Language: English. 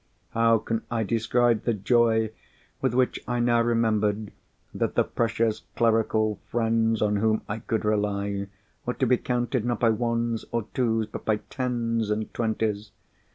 How can I describe the joy with which I now remembered that the precious clerical friends on whom I could rely, were to be counted, not by ones or twos, but by tens and twenties.